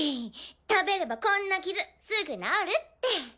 食べればこんな傷すぐ治るって！